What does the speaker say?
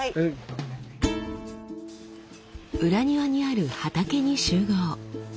裏庭にある畑に集合。